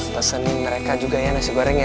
kita gabung ya